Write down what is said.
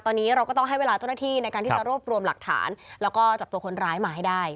ตอนนี้เราก็ต้องให้เวลาเจ้าหน้าที่ในการที่จะรวบรวมหลักฐานแล้วก็จับตัวคนร้ายมาให้ได้